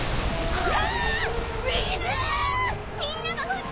うわ！